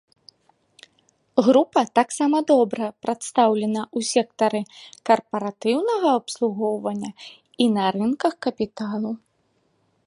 Група таксама добра прадстаўлена ў сектары карпаратыўнага абслугоўвання і на рынках капіталу.